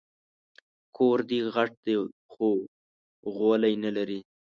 کور دي غټ دی خو غولی نه لري